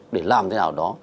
để làm thế nào đó